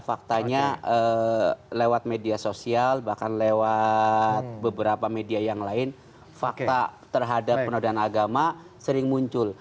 faktanya lewat media sosial bahkan lewat beberapa media yang lain fakta terhadap penodaan agama sering muncul